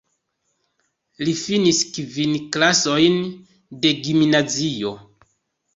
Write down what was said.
Li finis kvin klasojn de gimnazio.